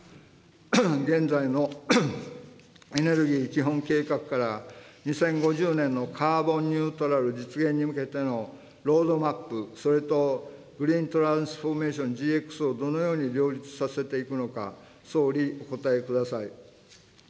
現在のエネルギー基本計画から２０５０年のカーボンニュートラル実現に向けてのロードマップ、それとグリーントランスフォーメーション・ＧＸをどのように両立させていくのか、総理、お答えください。